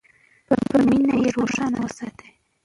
په مینه یې روښانه وساتئ.